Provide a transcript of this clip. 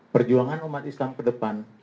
perjuangan umat islam kedepan